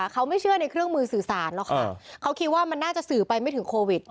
อยากจะโทลบอกบ้างเหมือนกัน